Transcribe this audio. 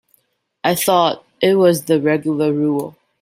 I thought it was the regular rule.